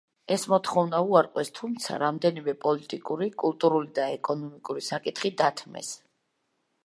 ეს მოთხოვნა უარყვეს, თუმცა რამდენიმე პოლიტიკური, კულტურული და ეკონომიკური საკითხი დათმეს.